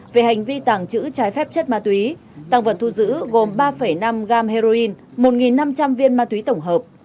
về hành vi tàng trữ trái phép chất ma túy tăng vật thu giữ gồm ba năm gram heroin một năm trăm linh viên ma túy tổng hợp